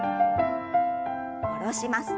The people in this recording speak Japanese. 下ろします。